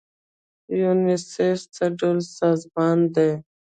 یونیسف څه ډول سازمان دی؟